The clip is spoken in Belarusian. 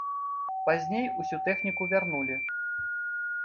Пазней усю тэхніку вярнулі.